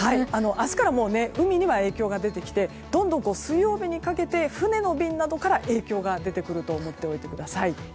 明日から海には影響が出てきてどんどん、水曜日にかけて船の便などから影響が出てくると思っておいてください。